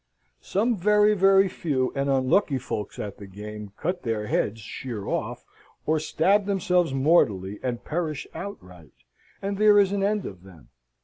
Some very very few and unlucky folks at the game cut their heads sheer off, or stab themselves mortally, and perish outright, and there is an end of them.